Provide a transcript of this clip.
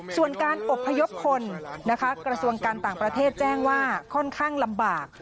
ส่วนการอบพยพคนนะคะกระทรวงการต่างประเทศแจ้งว่าค่อนข้างลำบาก